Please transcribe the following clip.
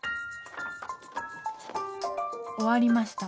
終わりました。